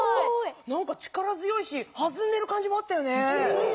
何か力強いしはずんでる感じもあったよね。